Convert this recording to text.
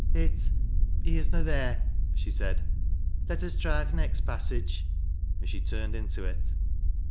" It — he is na there," she said. " Let us try th' next pa? sage," and she turned into it.